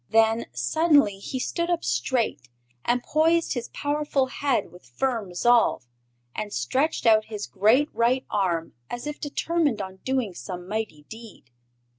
Then suddenly he stood up straight, and poised his powerful head with firm resolve, and stretched out his great right arm as if determined on doing some mighty deed.